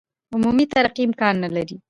عمومي ترقي امکان نه لري.